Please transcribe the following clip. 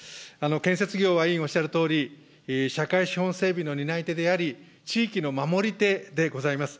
建設業は委員おっしゃるとおり、社会資本整備の担い手であり、地域の守り手でございます。